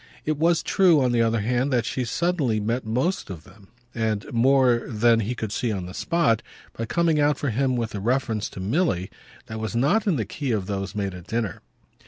It was true, on the other hand, that she suddenly met most of them and more than he could see on the spot by coming out for him with a reference to Milly that was not in the key of those made at dinner.